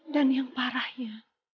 dan yang parahnya